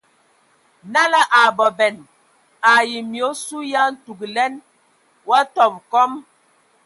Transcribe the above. Nala a abɔbɛn ai mye osu ye a ntugəlɛn o a tɔbɔ kɔm.